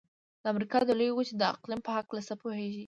د امریکا د لویې وچې د اقلیم په هلکه څه پوهیږئ؟